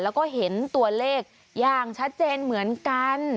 แล้วก็เห็นตัวเลขอย่างชัดเจนเหมือนกัน